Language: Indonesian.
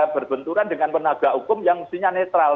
berbenturan dengan penaga hukum yang sehingga netral